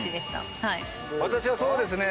私はそうですね。